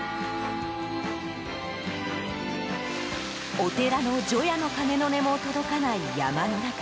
お寺の除夜の鐘の音も届かない山の中。